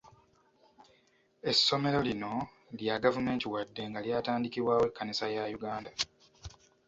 Essomero lino lya gavumenti wadde nga lyatandikibwawo ekkanisa ya Uganda.